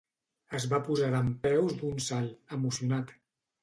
Es va posar dempeus d'un salt, emocionat.